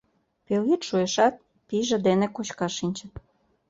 Пелйӱд шуэшат, пийже дене кочкаш шинчыт.